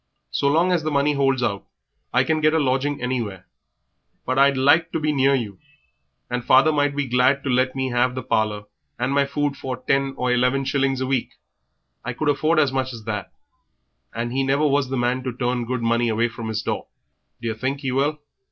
So long as the money holds out I can get a lodging anywhere, but I'd like to be near you; and father might be glad to let me have the parlour and my food for ten or eleven shillings a week I could afford as much as that, and he never was the man to turn good money from his door. Do yer think he will?"